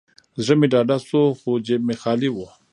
زړه مې ډاډه شو، خو جیب مې خالي و.